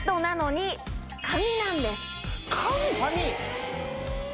紙？